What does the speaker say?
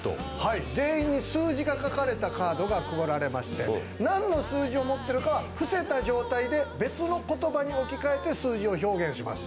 全員に数字が書かれたカードが配られまして、何の数字を持っているかは伏せた状態で別の言葉に置き換えて数字を表現します。